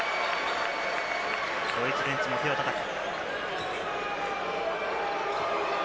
ドイツベンチも手をたたく。